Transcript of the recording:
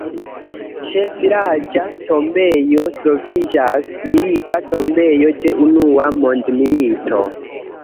Ĉe vilaĝa tombejo troviĝas milita tombejo de unua mondmilito.